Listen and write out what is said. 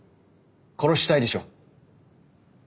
殺したいでしょ？